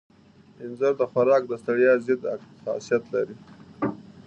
د اینځر خوراک د ستړیا ضد خاصیت لري.